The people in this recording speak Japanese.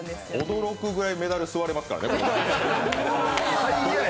驚くぐらいメダル吸われますからね。